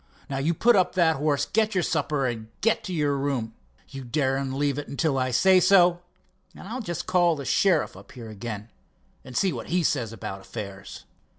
Now you put up that horse, get your supper, and go to your room. You dare to leave it till I say so, and I'll just call the sheriff up here again, and see what he says about affairs."